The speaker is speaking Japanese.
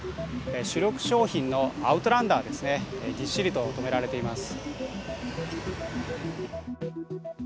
主力商品のアウトランダーですね、ぎっしりと止められています。